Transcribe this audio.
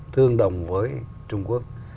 thương đồng với trung quốc